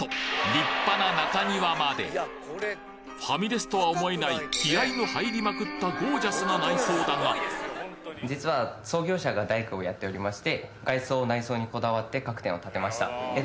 立派な中庭までファミレスとは思えない気合の入りまくったゴージャスな内装だがと聞いております。